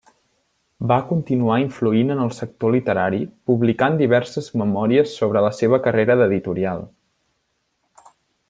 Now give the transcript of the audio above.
Va continuar influint en el sector literari publicant diverses memòries sobre la seva carrera d'editorial.